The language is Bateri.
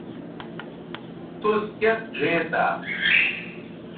توس کیئت ڙھئیں تھا